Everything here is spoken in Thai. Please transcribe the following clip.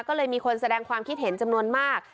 ก็เลยมีคนแสดงความคิดเห็นจำนวนมาก